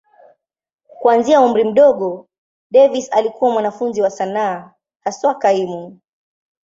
Kuanzia umri mdogo, Davis alikuwa mwanafunzi wa sanaa, haswa kaimu.